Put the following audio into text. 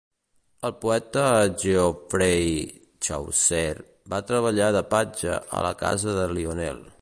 El poeta Geoffrey Chaucer va treballar de patge a la casa de Lionel.